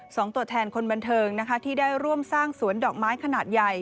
ตัวแทนคนบันเทิงนะคะที่ได้ร่วมสร้างสวนดอกไม้ขนาดใหญ่